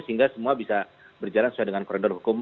sehingga semua bisa berjalan sesuai dengan koridor hukum